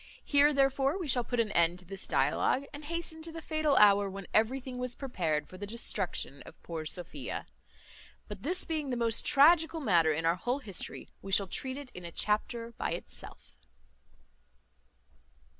Here, therefore, we shall put an end to this dialogue, and hasten to the fatal hour when everything was prepared for the destruction of poor Sophia. But this being the most tragical matter in our whole history, we shall treat it in a chapter by itself.